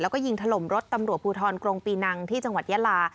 แล้วก็ยิงถล่มรถตำรวจภูทรกรงปีนังที่จังหวัดยาลา